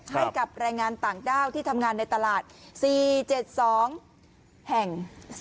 ให้กับแรงงานต่างด้าวที่ทำงานในตลาด๔๗๒แห่ง